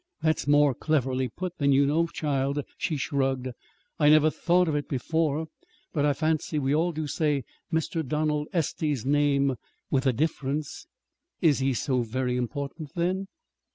"That's more cleverly put than you know, child," she shrugged. "I never thought of it before, but I fancy we all do say Mr. Donald Estey's name with a difference." "Is he so very important, then?"